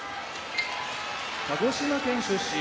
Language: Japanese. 鹿児島県出身